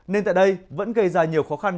nên tại đây vẫn gây ra nhiều khó khăn